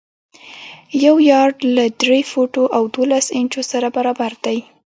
یو یارډ له درې فوټو او دولس انچو سره برابر دی.